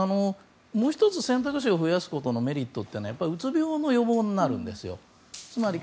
もう１つ選択肢を増やすことのメリットというのはうつ病の予防になるんですよ。